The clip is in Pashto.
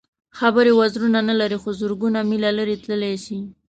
خبرې وزرونه نه لري خو زرګونه مېله لرې تللی شي.